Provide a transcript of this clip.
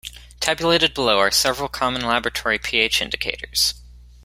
Tabulated below are several common laboratory pH indicators.